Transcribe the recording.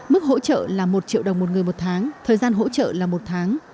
mức hỗ trợ là một triệu đồng một người một tháng thời gian hỗ trợ là một tháng